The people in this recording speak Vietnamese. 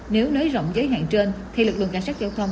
nếu nới rộng giới hạn trên thì lực lượng cảnh sát giao thông